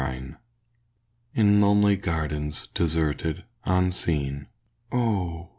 LILACS In lonely gardens deserted unseen Oh!